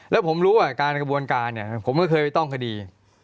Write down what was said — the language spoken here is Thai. แล้วผมรู้ว่าการกระบวนการเนี่ยผมก็เคยไปต้องคดี